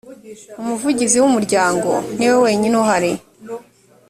umuvugizi w ‘umuryango niwe wenyine uhari.